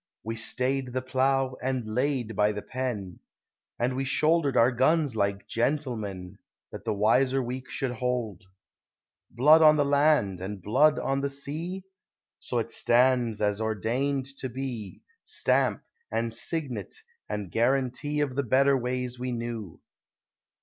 We stayed the plough, and laid by the pen, And we shouldered our guns like gentlemen, That the wiser weak should hold. Blood on the land, and blood on the sea? So it stands as ordained to be, Stamp, and signet, and guarantee Of the better ways we knew.